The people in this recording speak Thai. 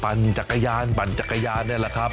จักรยานปั่นจักรยานนี่แหละครับ